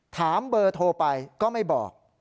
ถามเบอร์โทรไปก็ไม่บอก